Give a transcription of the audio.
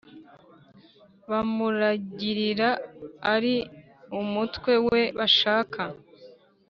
bamuragirira ari umutwe we bashaka.